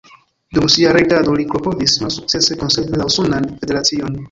Dum sia regado li klopodis malsukcese konservi la usonan federacion.